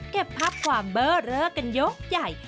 เก็บภาพความเบอร์เลอร์กันยกใหญ่